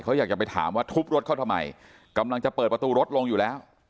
เขาอยากจะไปถามว่าทุบรถเขาทำไมกำลังจะเปิดประตูรถลงอยู่แล้ว